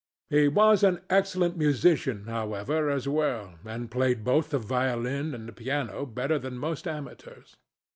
He was an excellent musician, however, as well, and played both the violin and the piano better than most amateurs.